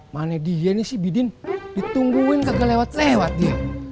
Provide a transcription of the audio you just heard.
mana dia ini si bidin ditungguin kagak lewat lewat dia